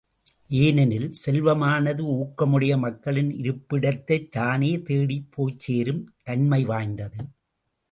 ஏனெனில், செல்வமானது ஊக்கமுடைய மக்களின் இருப்பிடத்தைத் தானே தேடிப் போய்ச் சேரும் தன்மை வாய்ந்தது.